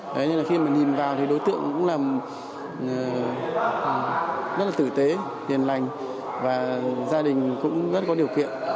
đấy nên là khi mà nhìn vào thì đối tượng cũng là rất là tử tế hiền lành và gia đình cũng rất có điều kiện